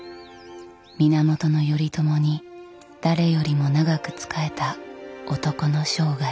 源頼朝に誰よりも長く仕えた男の生涯。